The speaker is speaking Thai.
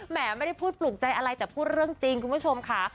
ไม่ได้พูดปลูกใจอะไรแต่พูดเรื่องจริงคุณผู้ชมค่ะ